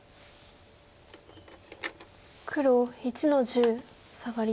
黒１の十サガリ。